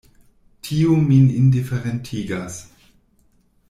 Tio min indiferentigas.